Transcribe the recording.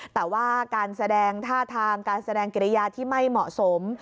แต่ว่าการแสดงท่าทางการแสดงกิริยาที่ไม่เหมาะสม